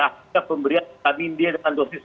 akhirnya pemberian tapi dia dengan dosis